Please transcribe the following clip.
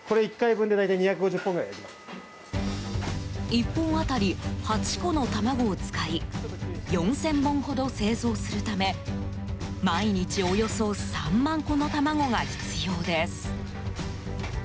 １本当たり８個の卵を使い４０００本ほど製造するため毎日およそ３万個の卵が必要です。